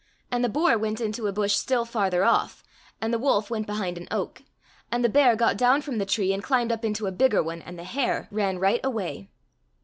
And the boar went into a bush still farther off, and the wolf went behind an oak, and the bear got down from the tree, and climbed up into a bigger one, and the hare ran right away.